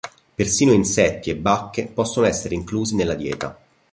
Persino insetti e bacche possono essere inclusi nella dieta.